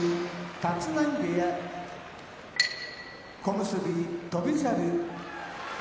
立浪部屋小結・翔猿